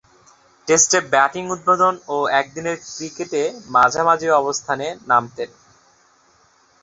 টেস্টে ব্যাটিং উদ্বোধন ও একদিনের ক্রিকেটে মাঝামাঝি অবস্থানে নামতেন।